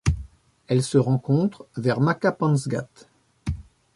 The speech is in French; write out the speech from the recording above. Elle se rencontre vers Makapansgat.